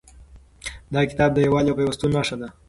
دا کتاب د یووالي او پیوستون نښه ده.